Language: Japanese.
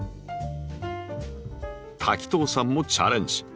滝藤さんもチャレンジ！